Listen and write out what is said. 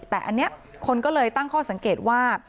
แต่อันนี้คนก็เลยตั้งข้อสังเกตว่า